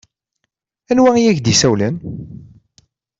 Anwa i ak-d-yessawlen?